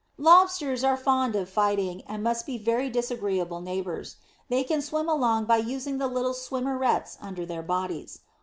Lobsters are fond of fighting, and must be very disagreeable neighbours. They can swim along by using the little "swimmerets" under their bodies.